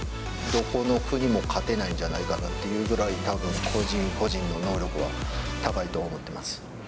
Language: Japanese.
どこの国も勝てないんじゃないかなっていうくらい、たぶん個人個人の能力は高いと思ってます。